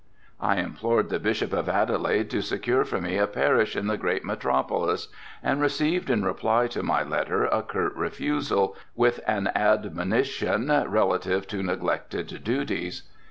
I implored the Bishop of Adelaide to secure for me a parish in the great metropolis and received in reply to my letter a curt refusal, with an admonition relative to neglected duties.